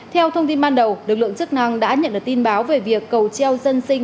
theo thông tin ban đầu lực lượng chức năng đã nhận được tin báo về việc cầu treo dân sinh